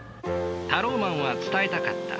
タローマンは伝えたかった。